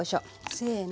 せの。